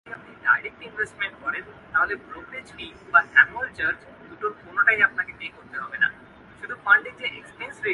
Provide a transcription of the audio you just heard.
এটিই তার একমাত্র সেঞ্চুরি ছিল।